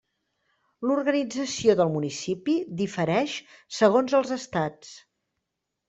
L'organització del municipi difereix segons els estats.